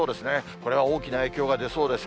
これは大きな影響が出そうです。